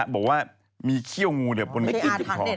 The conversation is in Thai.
บอกว่ามีเคี่ยวงูเนี่ยขวางพี่จิปทศ